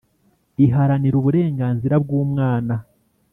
Iharanira uburenganzira bw umwana